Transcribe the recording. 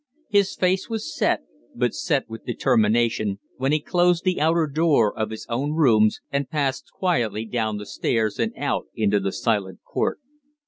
His face was set, but set with determination, when he closed the outer door of his own rooms and passed quietly down the stairs and out into the silent court.